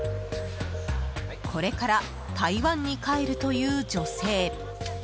これから台湾に帰るという女性。